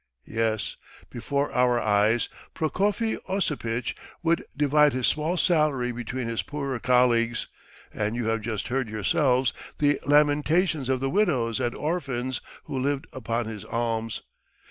Yes, before our eyes Prokofy Osipitch would divide his small salary between his poorer colleagues, and you have just heard yourselves the lamentations of the widows and orphans who lived upon his alms.